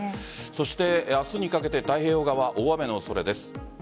そして明日にかけて太平洋側、大雨の恐れです。